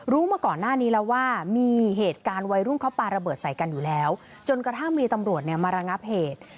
มาก่อนหน้านี้แล้วว่ามีเหตุการณ์วัยรุ่นเขาปลาระเบิดใส่กันอยู่แล้วจนกระทั่งมีตำรวจเนี่ยมาระงับเหตุ